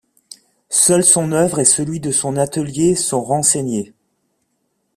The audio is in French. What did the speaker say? Seuls son œuvre et celui de son atelier sont renseignés.